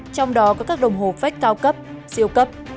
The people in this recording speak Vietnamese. trong đó có các đồng hồ vách cao cấp siêu cấp